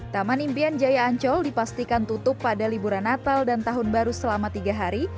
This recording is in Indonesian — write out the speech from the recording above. taman impian jaya ancol dipastikan tutup pada liburan natal dan tahun baru selama tiga hari